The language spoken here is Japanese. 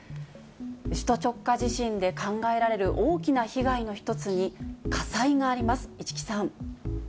首都直下地震で考えられる大きな被害の一つに、火災があります。